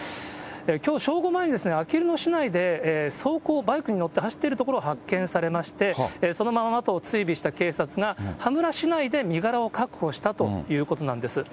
きょう正午前にあきる野市内で走行、バイクに乗って走っているところを発見されまして、そのままあとを追尾した警察が、羽村市内で身柄を確保したということなんです。